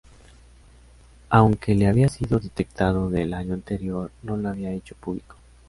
Aunque le había sido detectado del año anterior, no lo había hecho público.